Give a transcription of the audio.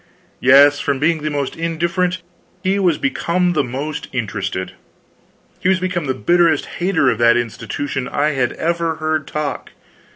Yes; from being the most indifferent, he was become the most interested. He was become the bitterest hater of the institution I had ever heard talk.